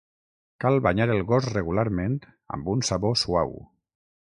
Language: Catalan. Cal banyar el gos regularment amb un sabó suau.